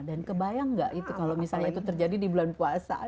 dan kebayang nggak itu kalau misalnya itu terjadi di bulan puasa